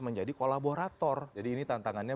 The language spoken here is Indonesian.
menjadi kolaborator jadi ini tantangannya